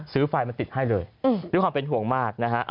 ไฟมาติดให้เลยด้วยความเป็นห่วงมากนะฮะ